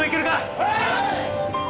はい！